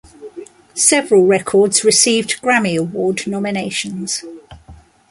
Several records received Grammy Award nominations.